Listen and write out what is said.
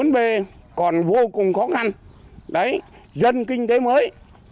bốn b còn vô cùng khó khăn đấy dân kinh tế mới